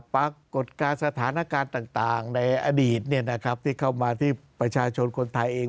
ปรากฏการณ์สถานการณ์ต่างต่างในอดีตเนี่ยนะครับที่เข้ามาที่ประชาชนคนไทยเอง